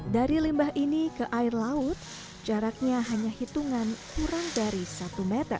dari limbah ini ke air laut jaraknya hanya hitungan kurang dari satu meter